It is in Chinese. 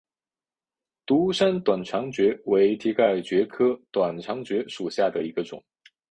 独山短肠蕨为蹄盖蕨科短肠蕨属下的一个种。